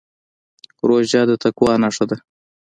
روژه د تقوا نښه ده.